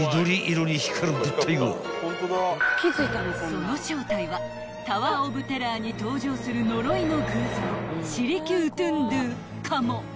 ［その正体はタワー・オブ・テラーに登場する呪いの偶像シリキ・ウトゥンドゥかも］